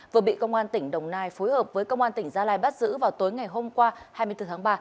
vừa bị công an tỉnh đồng nai phối hợp với công an tỉnh gia lai bắt giữ vào tối ngày hôm qua hai mươi bốn tháng ba